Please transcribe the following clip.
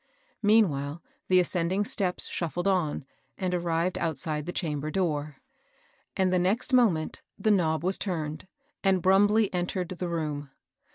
Meanwhile, the ascending steps shuffled on, and arrived outside the chamber door; and the next moment the knob was turned, and Brumbley entered the room.